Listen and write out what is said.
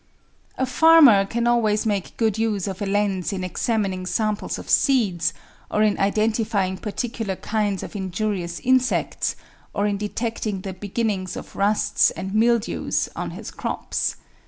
A farmer can always make good use of a lens in examining samples of seeds, or in identifying particular kinds of injurious insects, or in detecting the beginnings of "rusts" and "mildews'* on his crops.